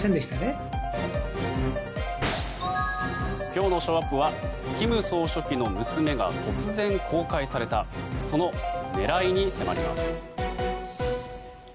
今日のショーアップは金正恩総書記の娘が突然、公開されたその狙いに迫ります。